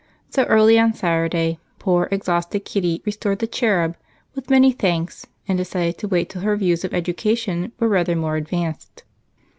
So early on Saturday, poor exhausted Kitty restored the "cherub" with many thanks, and decided to wait until her views of education were rather more advanced.